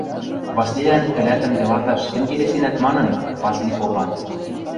Васлилӓн кӹлӓтӹм йылаташ тӹнь келесенӓт манын, Васли попа.